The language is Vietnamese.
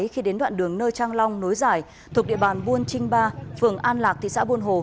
khi đến đoạn đường nơi trang long nối giải thuộc địa bàn buôn trinh ba phường an lạc thị xã buôn hồ